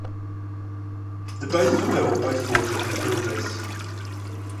The boats were built by four different builders.